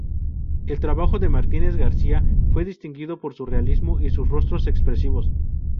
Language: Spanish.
El trabajo de Martínez García fue distinguido por su realismo y sus rostros expresivos.